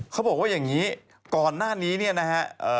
เขาบอกว่าอย่างนี้ก่อนหน้านี้เนี่ยนะฮะ